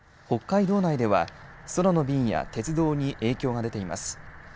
北海道内では空の便や鉄道に影響が出ています。